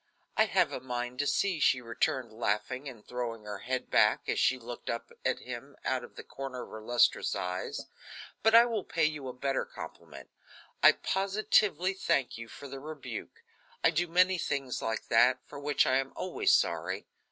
"I have a mind to see," she returned, laughing and throwing her head back, as she looked up at him out of the corner of her lustrous eyes. "But I will pay you a better compliment. I positively thank you for the rebuke. I do many things like that, for which I am always sorry.